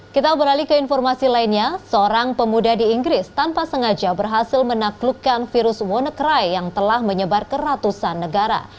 kita beralih ke informasi lainnya seorang pemuda di inggris tanpa sengaja berhasil menaklukkan virus wannacry yang telah menyebar ke ratusan negara